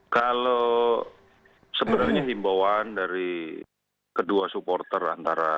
kalau sebenarnya himbauan dari kedua supporter antara